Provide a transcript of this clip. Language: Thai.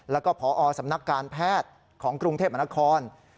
แล้วก็พอสำนักการแพทย์ของกรุงเทพมนาคม